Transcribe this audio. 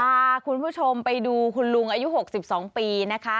พาคุณผู้ชมไปดูคุณลุงอายุ๖๒ปีนะคะ